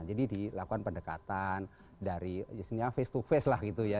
jadi dilakukan pendekatan dari biasanya face to face lah gitu ya